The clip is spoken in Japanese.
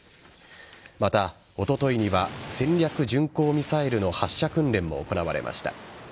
また、おとといには戦略巡航ミサイルの発射訓練も行われました。